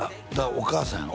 お母さんやろ？